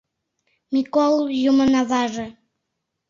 Микол Юмын аваже!